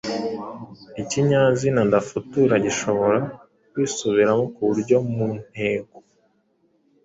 Ikinyazina ndafutura gishobora kwisubiramo ku buryo mu ntego